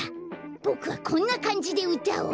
ボクはこんなかんじでうたおう！